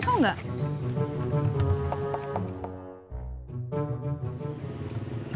kamu mau ke rumah